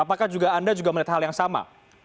apakah anda juga melihat hal yang sama